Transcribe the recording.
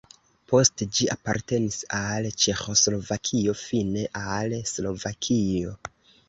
Poste ĝi apartenis al Ĉeĥoslovakio, fine al Slovakio.